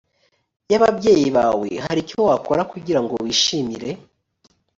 y ababyeyi bawe hari icyo wakora kugira ngo wishimire